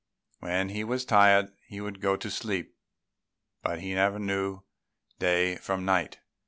When he was tired he went to sleep, but he never knew day from night.